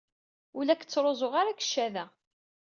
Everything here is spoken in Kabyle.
Ur la k-ttruẓuɣ ara deg ccada.